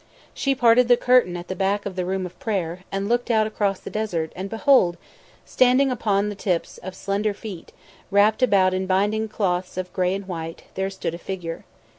She parted the curtain at the back of the room of prayer, and looked out across the desert and behold! standing upon the tips of slender feet, wrapped about in binding cloths of grey and white, there stood a figure.